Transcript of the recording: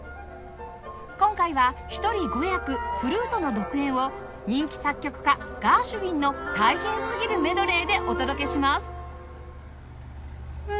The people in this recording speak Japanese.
今回は１人５役フルートの独演を人気作曲家ガーシュウィンの大変すぎるメドレーでお届けします